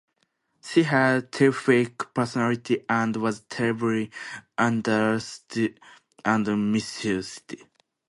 She had terrific personality and was terribly underused and misused.